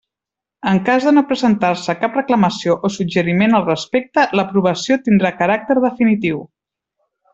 En cas de no presentar-se cap reclamació o suggeriment al respecte, l'aprovació tindrà caràcter definitiu.